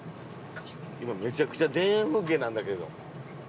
今めちゃくちゃ田園風景なんだけど。